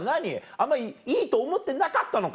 あんまりいいと思ってなかったのか」